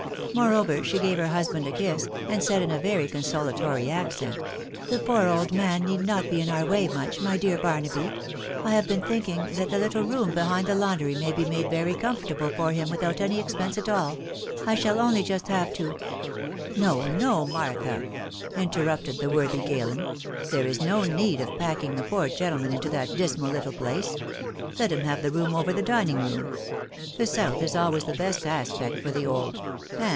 Moreover, she gave her husband a kiss, and' said in a very' consolatory aeceort> " The poop old man need not be in oar wiry moon; ray dear Bejtnaby; .... I have been' thinking' thai' the little' ream behind1 the laundry maybe made very comfortable.* for • hint without' any^exp<ense 'af all'; I shall' only just have to*. •.*'" No, no, Martha/* interrupted the worthy 'Galen, <4 there 1a1 no* need of packing the poor gentleman into that" dismal little place. ••. Let him have' the room over the dining room ; the south ie always the best aspect for the* old; and?